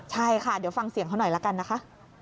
ใช่ค่ะเดี๋ยวฟังเสียงเขาหน่อยละกันนะคะ